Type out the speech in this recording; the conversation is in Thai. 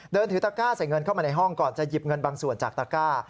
เดินถือตะก้าใส่เงินเข้ามาในห้องก่อนจะหยิบเงินบางส่วนจากตะก้า